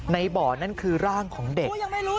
ในบ่อนั่นคือร่างของเด็ก